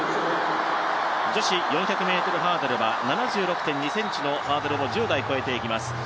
女子４００ｍハードルは７６．２ｃｍのハードルを１０台越えていきます。